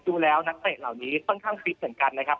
ดูแล้วนักเตะเหล่านี้ค่อนข้างฟิตเหมือนกันนะครับ